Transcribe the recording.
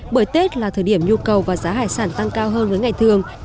bởi tết là thời điểm nhu cầu và giá hải sản tăng cao hơn